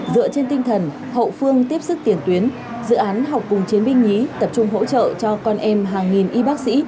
dựa trên tinh thần hậu phương tiếp sức tiền tuyến dự án học cùng chiến binh nhí tập trung hỗ trợ cho con em hàng nghìn y bác sĩ